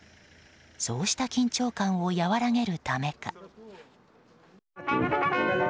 そうした緊張感を和らげるためか。